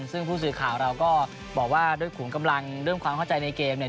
ซึ่งผู้สื่อข่าวเราก็บอกว่าด้วยขุมกำลังเรื่องความเข้าใจในเกมเนี่ย